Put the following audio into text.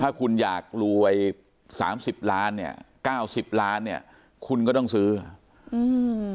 ถ้าคุณอยากรวยสามสิบล้านเนี้ยเก้าสิบล้านเนี้ยคุณก็ต้องซื้ออ่ะอืม